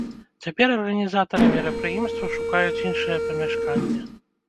Цяпер арганізатары мерапрыемства шукаюць іншае памяшканне.